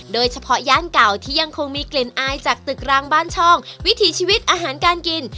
ย่านเก่าที่ยังคงมีกลิ่นอายจากตึกรางบ้านช่องวิถีชีวิตอาหารการกิน